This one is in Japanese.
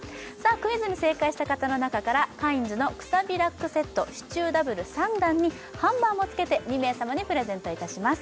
クイズに正解した方の中からカインズのくさびラックセット支柱ダブル３段にハンマーも付けて２名様にプレゼントいたします